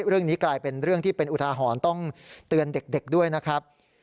เรื่องนี้กลายเป็นเรื่องที่เป็นอุทาหรณ์ต้องเตือนเด็กด้วยนะครับ